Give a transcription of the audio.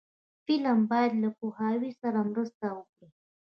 فلم باید له پوهاوي سره مرسته وکړي